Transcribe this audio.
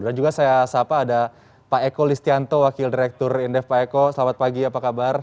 dan juga saya pak eko listianto wakil direktur indef pak eko selamat pagi apa kabar